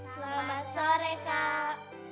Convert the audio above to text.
selamat sore kak